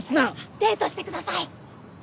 「デートしてください！」。